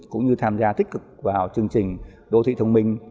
cũng như tham gia tích cực vào chương trình đô thị thông minh